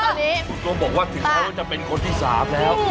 คุณสูงสมบอกว่าถึงท้ายว่าจะเป็นคนที่สามแล้ว